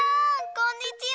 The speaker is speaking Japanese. こんにちは。